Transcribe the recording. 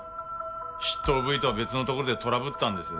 執刀部位とは別のところでトラブったんです。